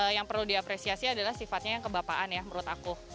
yang perlu diapresiasi adalah sifatnya yang kebapaan ya menurut aku